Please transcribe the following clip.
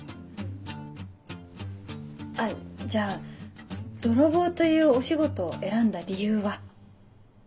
あっじゃあ泥棒というお仕事を選んだ理由は？